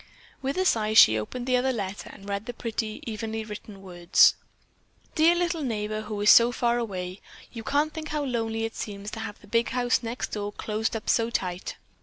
With a sigh she opened the other letter and read the pretty, evenly written words: "Dear little neighbor who is so far away. You can't think how lonely it seems to have the big house next door closed up so tight.